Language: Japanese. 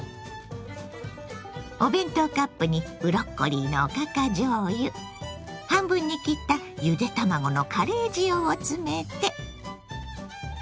お弁当カップにブロッコリーのおかかじょうゆ半分に切ったゆで卵のカレー塩を詰めて。